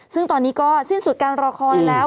ซึ่งตอนนี้ก็สิ้นสุดการรอคอยแล้ว